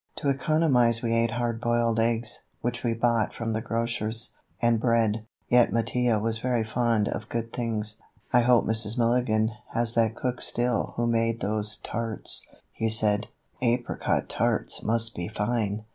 To economize we ate hard boiled eggs, which we bought from the grocers, and bread. Yet Mattia was very fond of good things. "I hope Mrs. Milligan has that cook still who made those tarts," he said; "apricot tarts must be fine!"